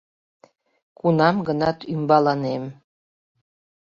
Кунам-гынат ӱмбаланем